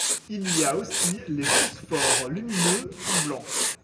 Il y a aussi les phosphores lumineux en blanc.